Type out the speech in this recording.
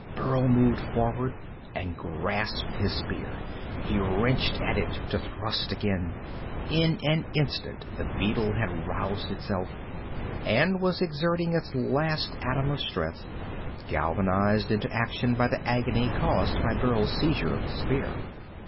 Burl moved forward and grasped his spear. He wrenched at it to thrust again. In an instant the beetle had roused itself, and was exerting its last atom of strength, galvanized into action by the agony caused by Burl's seizure of the spear.